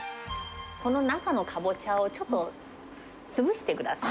この中のカボチャをちょっと潰してください。